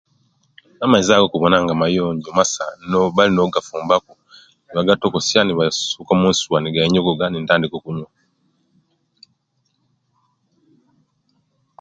Amaizi ago okubona nga mayonjo masa nobaire nogafumbaku nibagatokosya nibasuka munsuwa nigayogoga nibatandika okunyuwa